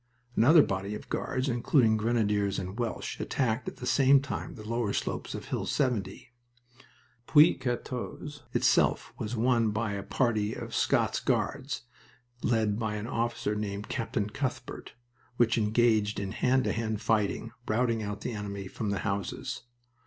Another body of Guards, including Grenadiers and Welsh, attacked at the same time the lower slopes of Hill 70. Puits 14 itself was won by a party of Scots Guards, led by an officer named Captain Cuthbert, which engaged in hand to hand fighting, routing out the enemy from the houses.